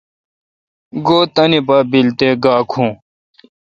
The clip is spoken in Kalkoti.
گو°تانی پا بیل تے گا کھوں۔